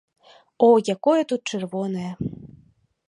О, якое тут чырвонае!